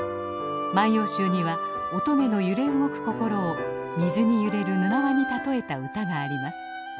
「万葉集」には乙女の揺れ動く心を水に揺れるぬなわに例えた歌があります。